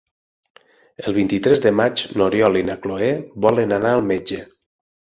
El vint-i-tres de maig n'Oriol i na Cloè volen anar al metge.